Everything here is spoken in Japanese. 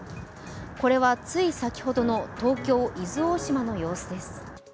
これはつい先ほどの東京・伊豆大島の様子です。